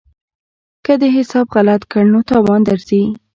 که دې حساب غلط کړ نو تاوان درځي.